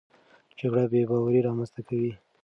جګړه بېباوري رامنځته کوي.